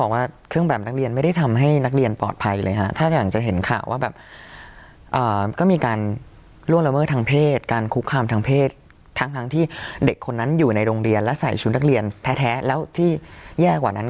ว่าเด็กที่ไปทืบป้ายว่าถูกคุกขามถูกครูทำอะไรเนี่ย